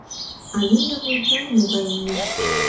А ниным ончал, могай улыт!